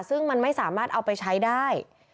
ซึ่งมันไม่สามารถเอาไปใช้ได้